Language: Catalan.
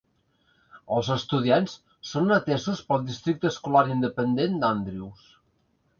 Els estudiants són atesos pel Districte Escolar Independent d'Andrews.